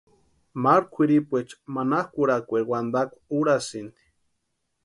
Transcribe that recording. Maru kwʼiripuecha manakʼurhakwaeri wantakwa úrasïnti.